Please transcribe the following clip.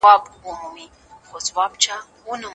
که ښځې اقتصادي ونډه ولري، فقر کمېږي.